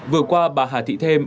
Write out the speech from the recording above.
vừa qua bà hà thị thêm